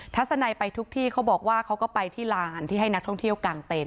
ทัศนัยไปทุกที่เขาบอกว่าเขาก็ไปที่ลานที่ให้นักท่องเที่ยวกางเต็นต